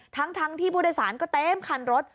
ทั้งที่พุทธศาลก็เต็มคันรถ